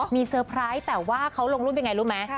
มีเซอร์ไพรส์แต่ว่าเขาลงรูปยังไงรู้ไหม